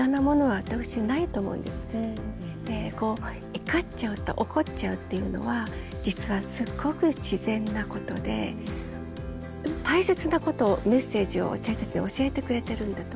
いかっちゃうとおこっちゃうっていうのは実はすっごく自然なことでとっても大切なことをメッセージを私たちに教えてくれてるんだと思う。